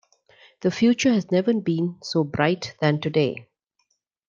The future has never been so bright than today.